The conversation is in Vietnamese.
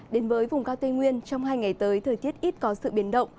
đến với vùng cao tây nguyên trong hai ngày tới thời tiết ít có sự biến động